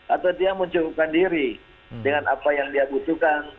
atau dia mencukupkan diri dengan apa yang dia butuhkan